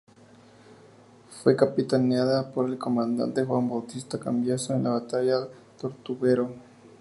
Fue capitaneada por el comandante Juan Bautista Cambiaso en la Batalla de Tortuguero.